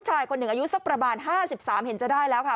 ชายคนหนึ่งอายุสักประมาณ๕๓เห็นจะได้แล้วค่ะ